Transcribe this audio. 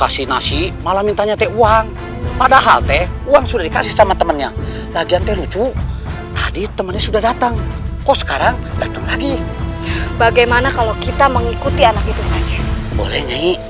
sampai jumpa di video selanjutnya